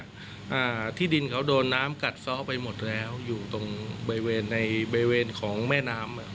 อ่าที่ดินเขาโดนน้ำกัดซ้อไปหมดแล้วอยู่ตรงบริเวณในบริเวณของแม่น้ำอ่ะ